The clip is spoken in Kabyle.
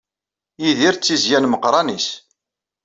Yidir d tizzya n Meqqran-is.